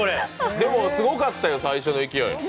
でも、すごかったよ、最初の勢い。